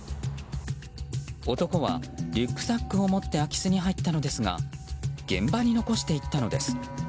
男はリュックサックを持って空き巣に入ったのですが現場に残していったのです。